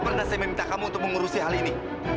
pernah saya meminta kamu untuk mengurusi hal ini